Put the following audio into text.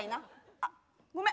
あごめん！